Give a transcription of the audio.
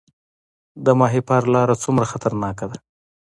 د ماهیپر لاره څومره خطرناکه ده؟